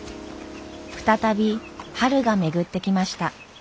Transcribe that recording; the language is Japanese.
再び春が巡ってきました。